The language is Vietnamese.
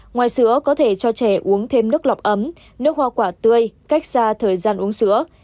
ngoài sữa có thể cho trẻ uống thêm nước lọc ấm nước hoa quả tươi cách xa thời gian uống sữa